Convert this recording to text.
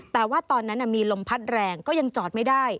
แต่ว่าตอนนั้นมีลมพัดแรงก็ยังจอดไม่ได้